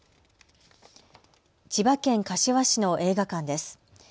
千葉県柏市の映画館です。